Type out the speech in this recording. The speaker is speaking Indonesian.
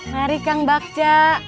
mari kang bakca